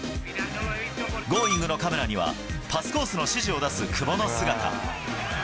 Ｇｏｉｎｇ！のカメラには、パスコースの指示を出す久保の姿。